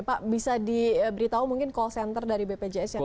pak bisa diberitahu mungkin call center dari bpjs yang ada